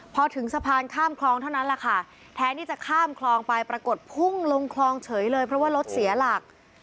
พอถึงสะพานข้ามคลองเท่านั้นแหละค่ะแทนที่จะข้ามคลองไปปรากฏพุ่งลงคลองเฉยเลยเพราะว่ารถเสียหลัก